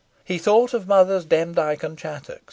He thought of Mothers Demdike and Chattox.